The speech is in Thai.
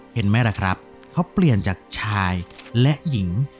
เห็นไหมล่ะครับเขาเปลี่ยนจากชายและหญิง